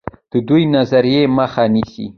د دې نظریې مخه نیسي.